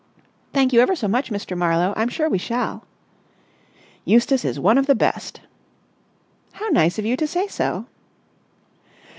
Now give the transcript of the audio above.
"Thank you ever so much, Mr. Marlowe. I'm sure we shall." "Eustace is one of the best." "How nice of you to say so."